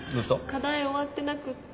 課題終わってなくって。